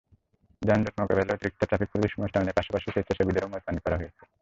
যানজট মোকাবিলায় অতিরিক্ত ট্রাফিক পুলিশ মোতায়েনের পাশাপাশি স্বেচ্ছাসেবীদেরও মোতায়েন করা হয়েছে।